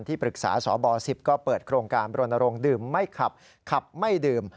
ปรึกษาสบ๑๐ก็เปิดโครงการบรณรงค์ดื่มไม่ขับขับไม่ดื่ม